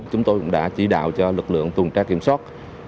chúng tôi cũng đã chỉ đạo cho lực lượng tuần tra kiểm soát